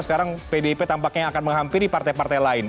sekarang pdip tampaknya akan menghampiri partai partai lain